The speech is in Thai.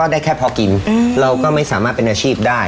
ได้แค่เพ้อกินหือแล้วก็ไม่สามารถเป็นอาชีพได้